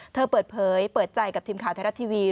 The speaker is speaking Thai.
เธอเปิดเผยเปิดใจกับทีมข่าวไทยรัฐทีวี